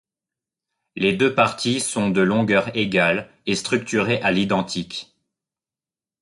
Les deux parties sont de longueur égale et structurées à l'identique.